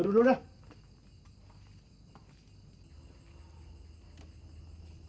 duru dulu dah